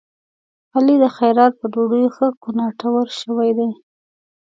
علي د خیرات په ډوډيو ښه کوناټور شوی دی.